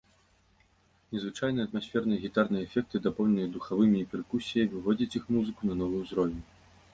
Незвычайныя атмасферныя гітарныя эфекты, дапоўненыя духавымі і перкусіяй выводзяць іх музыку на новы ўзровень.